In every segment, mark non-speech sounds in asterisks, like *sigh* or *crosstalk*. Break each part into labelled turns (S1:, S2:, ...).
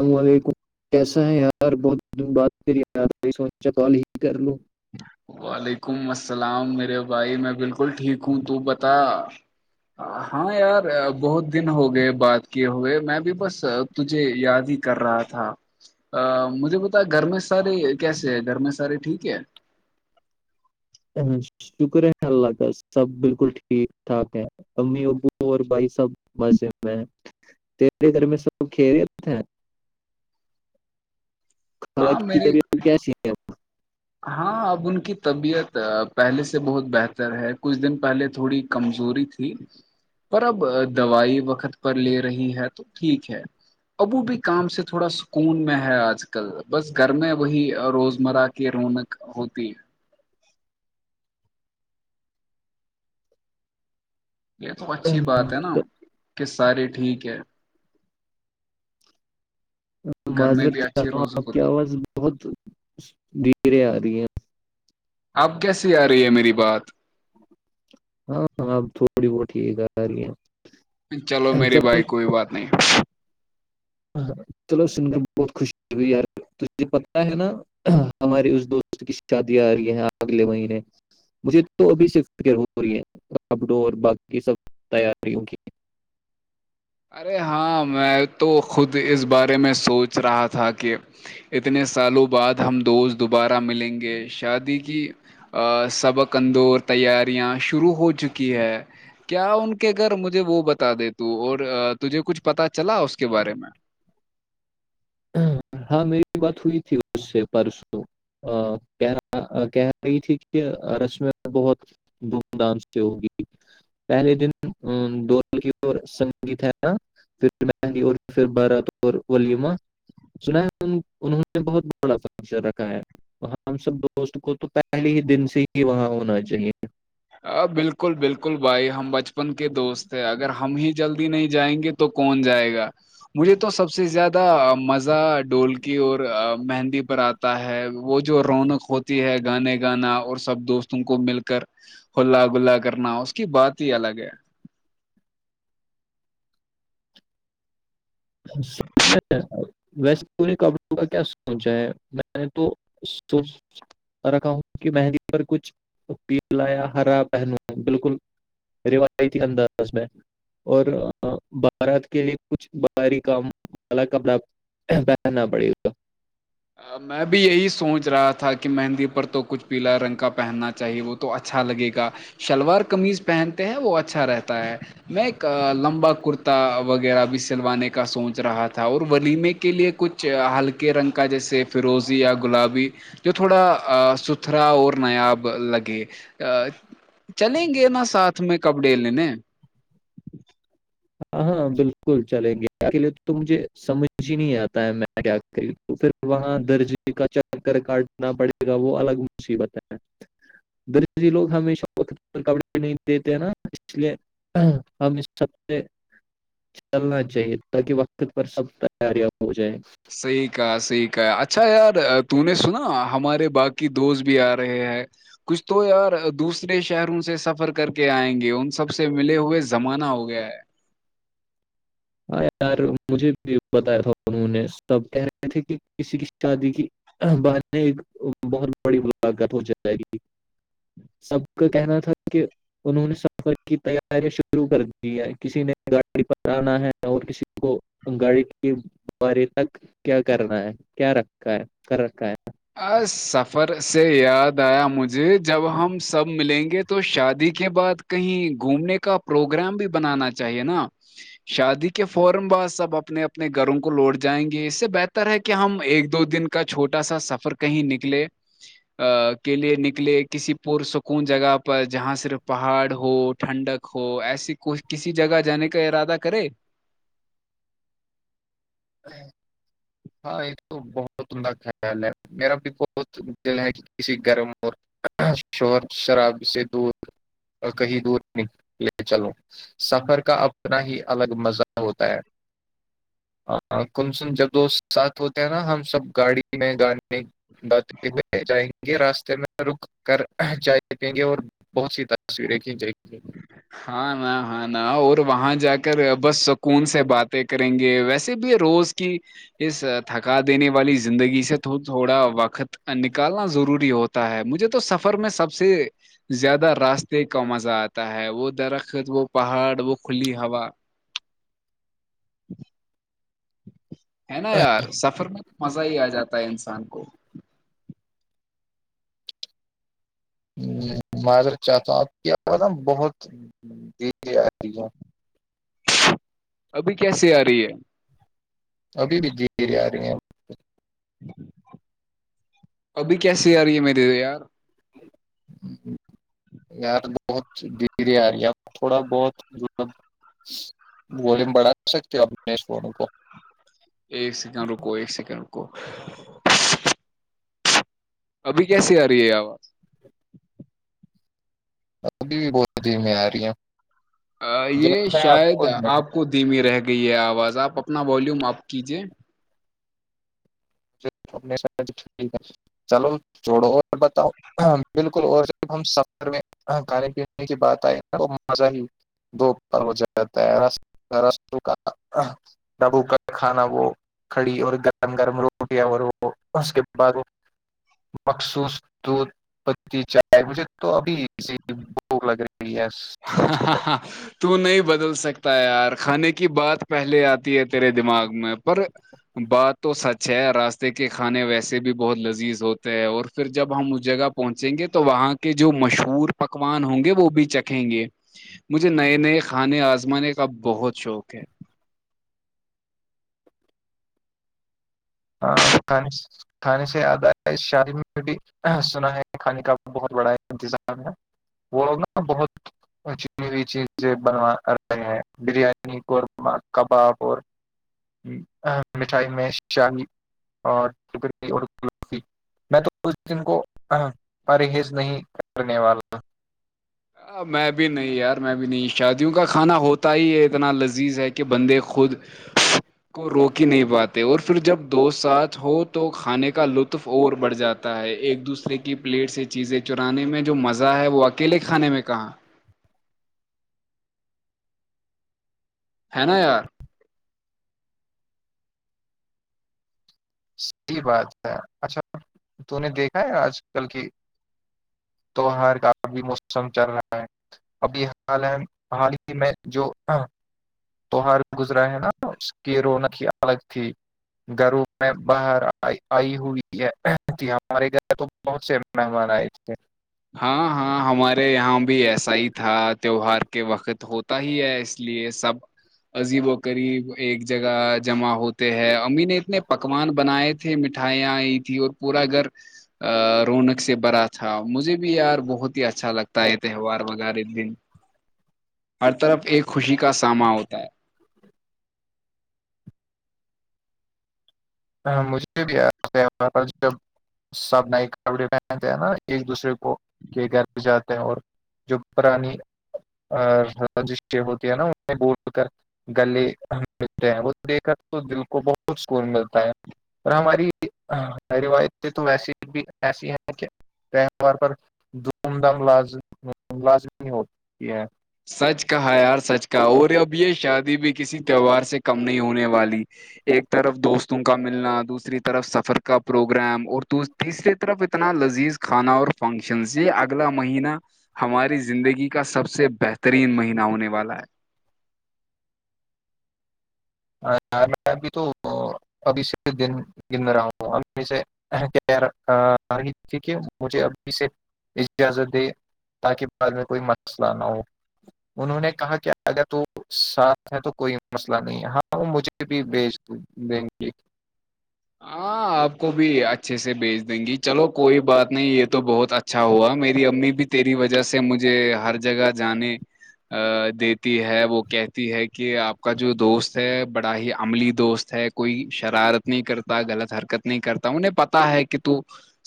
S1: السلام علیکم کیسا ہے یار بہت دن بات کریار س کال ہی کر لوں
S2: وعلیکم السلام میرے بھائی میں بالکل ٹھیک ہوں تو بتا ہاں یار بہت دن ہو گئے بات کیے ہو گئے میں بھی بس تجھے یاد ہی کر رہا تھا مجھے بتا گھر میں سارے کیسے ہے گھر میں سارے ٹھیک ہے
S1: ا شکر ہے اللہ کا سب بالکل ٹھیک ٹھاک ہے امی ابو اور بھائی سب بسے میں ری گر میں سب کھیری تھا
S2: ہاں
S1: حالانکہ ک
S2: میرے
S1: تبھی آ کیا
S2: ہاں اب ان کی طبیعت پہلے سے بہت بہتر ہے کچھ دن پہلے تھوڑی کمزوری پر اب دوائی وقت پر لے رہی ہے تو ٹھیک ہے ابو بھی کام سے تھوڑا سکون میں ہے آج کل بس گھر میں وہی روزمرہ کی رونق ہوتی یہ تو اچھی بات
S1: اہم،
S2: ہے نا کہ سارے ٹھیک ہے گھر میں
S1: معذرت
S2: بھی اچھی
S1: چاہا ہوں
S2: روز
S1: آپ کی
S2: ہوتی
S1: آواز بہت دھیریں آ رہی ہیں
S2: اب کیسیے آ رہی ہے میری بات
S1: ہاںاں اب تھوڑی بہت ہی گ رہ
S2: چلو میرے بھائی کوئی بات نہیں
S1: ہ چلو سن کر بہت خوشی ہوئی یار تجے پتا ہے نا ہماری اس دوست کی شادی آ رہی ہے اگلے مہینے مجھے تو ابھی شفروری ہے آ ڈ باقی سب تیاریوں کی
S2: ارے ہاں میں تو خود اس بارے میں سوچ رہا تھا کہ اتنے سالوں بعد ہم دوست دوبارہ ملیں گے شادی کی سبق اندور تیاریاں شروع ہو چکی ہے کیا ان کے گھر مجھے وہ بتا دے تو اور تجھے کچھ پتا چلا اس کے بارے میں
S1: ہاں میری بات ہوئی تھی اس سے پرسوں ا کہ رہا کہہ رہی تھی کہ رشمی بہت دھوم دھام سے ہوگی پہلے دن د کی سنگیت ہے نا پھر مہندی اورھر بارات اور ولیما سنا ہے انہوں نے بہت بڑار رکھا ہے ہم سب دوست کو تو پہلے ہی دن سے ہی وہاں ہونا چاہیے
S2: بالکل بالکل بھائی ہم بچپن کے دوست ہیں اگر ہم ہی جلدی نہیں جائیں گے تو تو کون جائے گا مجھے تو سب سے زیادہ مزہ ڈولکی اور مہندی پر آتا ہے وہ جو رونق ہوتی ہے گانے گانا اور سب دوستوں کو مل کر ہلا گلہ کرنا اس کی بات ہی الگ ہے
S1: سچ میں ویسےورے کپڑوں کا کیا سوچا ہے میں نے تو سوچ رکھا ہوں کہ مہندی پر کچھ پیلایا ہرا بہنوں بالکل روایتی انداز میں اور بھارت کے کچھ کام الگ ک اپنا پہننا پڑے گا
S2: میں بھی یہی سوچ رہا تھا کہ مہندی پر تو کچھ پیلا رنگ کا پہننا چاہے وہ تو اچھا لگے گا شلوار قمیز پہنتے ہیں وہ اچھا رہتا ہے میں ایک لمبا کرتا وغیرہ بھی سلوانے کا سوچ رہا تھا اور ولیمے کے لیے کچھ ہلکے رنگ کا جیسے فروزی یا گلابی جو تھوڑا ستھرا اور نایاب لگے چلیں گے نا ساتھ میں کپ ڈے لینے
S1: ہاں
S2: ج
S1: ہاں بالکل چلیں گے کے لیے تو مجھے سمجھ ہی نہیں آتا ہے میں کیا تو پھر وہاں درجے کا چکر کاٹنا پڑے گا وہ الگ مصیبت ہے دری لوگ ہمیشہ کپڑے نہیں دیتے ہیں نا اس لیے ہمب چلنا چاہیے تاکہ وقت پر سب تیاریاں ہو جائیں
S2: صحیح کہ سیح اچھا یار ت نے سنا ہمارے باقی دوست بھی آ رہے ہیں کچھ تو یار دوسرے شہروں سے سفر کر کے آئیں گے ان سب سے ملے ہوئے زمانہ ہو گیا ہے
S1: ہاں یار مجھے بھی بتایا تھا انہوں نے سب کہہ رہے تھے کہ کسی کی شادی کی ب بہت بڑی ملاقت ہو جائے گی سب کا کہنا تھا کہ انہوں نے سفر کی تیارییا شروع کر دی ہے کسی نے گاڑی پر آنا ہے کسی کو انگاڑی کے بارے تک کیا کرنا ہے کیا رکھا ہے کر رکھا ہے
S2: ا سفر سے یاد آیا مجھے جب ہم سب ملیں گے تو شادی کے بعد کہیں گھومنے کا پروگرام بھی بنانا چاہیے نا شادی کے فورم بع سب اپنے اپنے گھروں کو لوٹ جائیں گے اس سے بہتر ہے کہ ہم ایک دو دن کا کا چھوٹا سا سفر کہیں نکلے ا کے لیے نکلے کسی پرسکون جگہ پر جہاں صرف پہاڑ ہو ٹھنڈک ہو ایسی کو کسی جگہ جانے کا ارادہ کرے
S1: ہاں ایک تو بہت تہ خیال ہے میرا بھی بہت دل ہے کہ کسی گرم م شہور شرابی سے دودھ کہیں دور ن لے چلوں سفر کا اپنا ہی الگ مزہ ہوتا ہے ہاں کن سن جب دوست ساتھ ہوتے ہیں نا ہم سب گاڑی میں گاڑی اہ گ راستے میں رک کر جائے سکیں گے اور بہت سی تصویریں کھینچیں گی
S2: ہاں نہ ہاں نہ اور وہاں جا کر بس سکون سے باتیں کریں گے ویسے بھی روز کی اس تھکا دینے والی زندگی سے تھوڑا وقت نکالنا ضروری ہوتا ہے مجھے تو سفر میں سب سے زیادہ راستے کا مزات تا ہے وہ درخت وہ پہاڑ وہ کھلی ہوا ہے نا یار سفر میں تو مزہ ہی آ جاتا ہے انسان کو
S1: مازرت چاہتا ہوں آپ کی آواز بہت آ رہی ہے
S2: ابھی کیسی آ رہی ہے
S1: ابھی بھی آ رہی ہیں
S2: ابھی کیسی آ رہی ہے میر دے یار
S1: ہیں
S2: *inaudible*
S1: یار بہت در یار یار تھوڑا بہت د ووم بڑھا سکتی ہو انیش فڑو کو
S2: ایک سیکنڈ رکو ایک سیکنڈ رکو ابھی کیسی آ رہی ہے آ
S1: ابھی بھی بہتدھی میں آ رہی ہیں
S2: یہ شاید آپ کو دھیمی رہ گئی ہے آواز آپ اپنا والیوم آپ کیجیے
S1: چلو چھڑو اور بتاؤ ہاں بالکل اور جب ہم سفر میں کھانے پینے کی بات آئے نا تو مزہ ہی دوپر ہو رہاتا ہے رسوں کا دبو کر کھانا وہ کھڑی اور گرم گرم رو یا اور وہ اس کے بعد وہ مخصوص پتی چائے مجھے تو ابھیی بھوک لگ رہی یس
S2: ہاں ہاں ہاں تو نہیں بدل سکتا یار کھانے کی بات پہلے آتی ہے تیرے دماغ میں پر بات تو سچ ہے راستے کے کھانے ویسے بھی بہت لذیذ ہوتے ہے اور پھر جب ہم اس جگہ پہنچیں گے تو وہاں کے جو مشہور پکوان ہوں گے وہ بھی چک رکھیں گے مجھے نئے نئے کھانے آزمانے کا بہت شوق ہے
S1: ہاں کھانے سے یاد اس شاد میں بھی سنا ہے کھانے کا بہت بڑا انتظام ہے وہ لوگ نا بہت ا چنی ہوئی چیزیں بنو رہے ہیں بریانی قورمہ کباب اور مٹھائی میں شاہی اور کری اور گفی میں تو اس دن کو پرہیز نہیں کرنے والا
S2: میں بھی نہیں یار میں بھی نہیں شادیوں کا کھانا ہوتا ہی ہے اتنا لذیذ ہے کہ بندے خود *inaudible* کو روک ہی نہیں پاتے اور پھر جب دوست ساتھ ہو تو کھانے کا لطف اور بڑھ جاتا ہے ایک دوسرے کی پلیٹ سے چیزیں چرانے میں جو مزہ ہے وہ اکیلے کھانے میں کہاں ہے نا یار
S1: صحیح بات ہے اچھا تو نے دیکھا ہے آج کل کی تو ہر کا بھی موسم چل رہا ہے ابھی حال حال ہی میں جو ہاں تیوہار گزرا ہے نا اس کی رونق ہی الگ تھی گھروں میں باہر آئی ہوئی ہے کہ ہمارے گھر تو بہت سےیمنا ہما ہےے
S2: ہاں ہاں ہمارے یہاں بھی ایسا ہی تھا تیوہار کے وقت ہو تا ہی ہے اس لیے سب عجیب و قریب ایک جگہ جمع ہوتے ہے امی نے اتنے پکوان بنائے تھے مٹھائیاں آئی تیں اور پورا گھر رونق سے بھرا تھا مجھے بھی یار بہت ہی اچھا لگتا ہے تہوار وغیر دن ہر طرف ایک خوشی کا سامنا ہوتا ہے
S1: ہاں مجھے بھی یاد ہے وہاں پرس جب سب نئے کپڑے پہنتے ہیں نا ایک دوسرے کو کے گھر پ جاتے ہیں اور جو پرانی رجشیہ ہوتی ہے نا انیں بول کر گلے ہم ملتے ہیں وہ دیکھ کر تو دل کو بہت سکون ملتا پر ہماری روایتیں تو وسی بھی ایسی ہیں کہ تہوار پر دھوم دھام لاز لازمی ہوتی ہے
S2: سچ کہا یار سچ کا اور اب یہ شادی بھی کسی تہوار سے کم نہیں ہونے والی ایک طرف دوستوں کا ملنا دوسری طرف سفر کا پروگرام اور تیسری طرف اتنا لذیذ کھانا اور فنکشن یہ اگلا مہینہ ہماری زندگی کا سب سے بہترین مہینہ ہونے والا ہے
S1: میں ابھی تو ابھی سے دن گن رہا ہوں امی سے رہی تھی کہ مجھے ابھی سے اجازت دے تاکہ بعد میں کوئی مسئلہ نہ ہو انہوں نے کہا کہ اگر تو ساف ہے تو کوئی مسئلہ نہیں ہاں مجھے بھی بھیج دیں گے
S2: ہاں آپ کو بھی اچھے سے بھیج دیں گی چلو کوئی بات نہیں یہ تو بہت اچھا ہوا میری امی بھی تیری وجہ سے مجھے ہر جگہ جانے دیتی ہے وہ کہتی ہے کہ آپ کا جو دوست ہے بڑا ہی عملی دوست ہے کوئی شرارت نہیں کرتا غلط حرکت نہیں کرتا انہیں پتا ہے کہ تو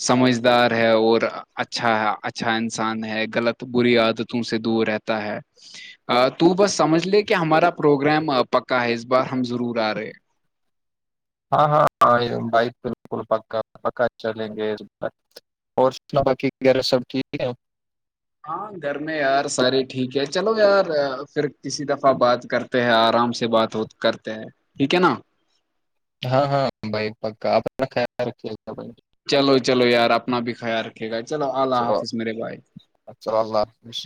S2: سمجھدار ہے اور اچھا اچھا انسان ہے غلط بری عادتوں سے دور رہتا تا ہے تو بس سمجھ لے کہ ہمارا پروگرام پکا ہے اس بار ہم ضرور آ رہے ہیں
S1: ہاں ہاں ہاں بائک بکل پکا پکا چل گ اور سنا باقی وغیرہ سب ٹھیک ہے
S2: ہاں گھر میں یار سارے ٹھیک ہے چلو یار پھر کسی دفعہ بات کر ہیں آرام سے بات ہو کرتے ہیں ٹھیک ہے نا
S1: ہاں ہاں بھائی پکا اپ خیال رکھیے ب
S2: چلو چلو یار اپنا بھی خیال رکھے گا چلو اللہ حافظ میرے بھائی
S1: اچھا اللہ حافظ